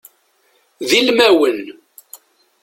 D ilmawen.